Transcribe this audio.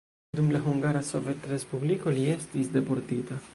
Dum la Hungara Sovetrespubliko li estis deportita.